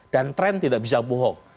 dan tren tidak bisa bohong